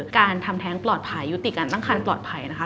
การทำแท้งปลอดภัยยุติการตั้งคันปลอดภัยนะคะ